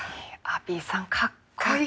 アビーさんかっこいい。